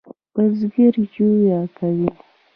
بزگر یویې کوي.